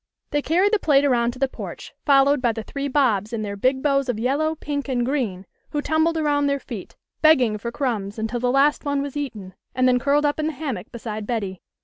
They carried the plate around to the porch, fol lowed by the three Bobs in their big bows of yellow, pink, and green, who tumbled around their feet, beg ging for crumbs until the last one was eaten, and then curled up in the hammock beside Betty.